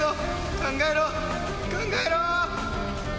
考えろ、考えろ。